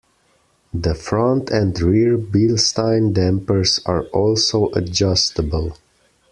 The front and rear Bilstein dampers are also adjustable.